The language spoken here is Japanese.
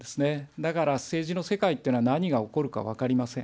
だから政治の世界っていうのは何が起こるか分かりません。